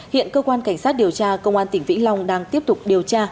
hiện cơ quan cảnh sát điều tra công an tỉnh vĩnh long đang tiếp tục điều tra